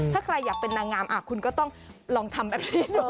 ถ้าใครอยากเป็นนางงามคุณก็ต้องลองทำแบบนี้ดู